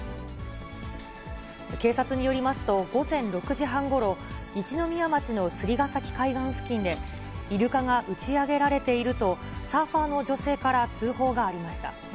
警察によりますと、午前６時半ごろ、一宮町の釣ヶ崎海岸付近で、イルカが打ち上げられていると、サーファーの女性から通報がありました。